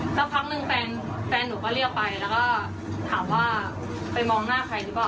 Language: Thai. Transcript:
สักพักหนึ่งแฟนหนูก็เรียกไปแล้วก็ถามว่าไปมองหน้าใครหรือเปล่า